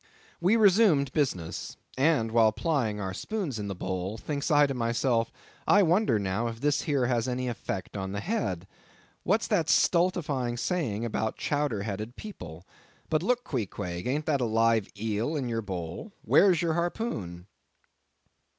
We resumed business; and while plying our spoons in the bowl, thinks I to myself, I wonder now if this here has any effect on the head? What's that stultifying saying about chowder headed people? "But look, Queequeg, ain't that a live eel in your bowl? Where's your harpoon?"